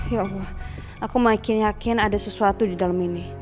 ya allah aku makin yakin ada sesuatu di dalam ini